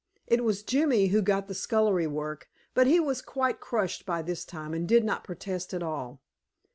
It was Jimmy who got the scullery work, but he was quite crushed by this time, and did not protest at all.